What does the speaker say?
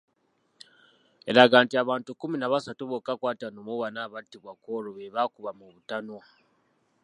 Eraga nti abantu kkumi na basatu bokka ku ataano mu bana abattibwa ku olwo be baakuba mu butanwa.